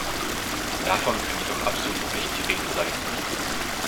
Davon kann jedoch absolut nicht die Rede sein.